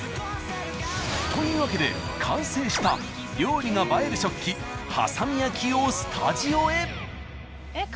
というわけで完成した料理が映える食器波佐見焼をスタジオへ。